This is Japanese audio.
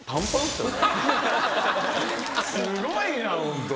すごいなホント。